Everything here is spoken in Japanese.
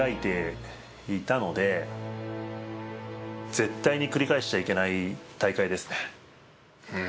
絶対に繰り返しちゃいけない大会ですね。